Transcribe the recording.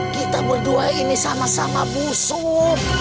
kita berdua ini sama sama busuk